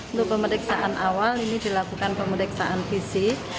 untuk pemeriksaan awal ini dilakukan pemeriksaan fisik